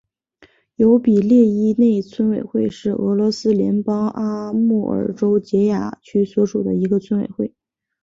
尤比列伊内村委员会是俄罗斯联邦阿穆尔州结雅区所属的一个村委员会。